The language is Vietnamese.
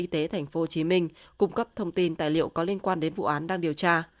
tp hcm cung cấp thông tin tài liệu có liên quan đến vụ án đang điều tra